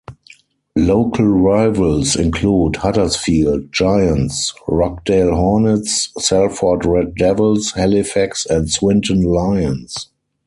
Local rivals include Huddersfield Giants, Rochdale Hornets, Salford Red Devils, Halifax and Swinton Lions.